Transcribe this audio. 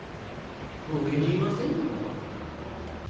俺に言わせんのか？